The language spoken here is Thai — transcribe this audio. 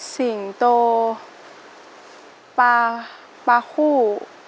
สิงโตปลาปลาคู่